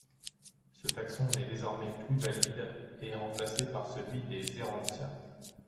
Ce taxon n'est désormais plus valide, et remplacé par celui des Errantia.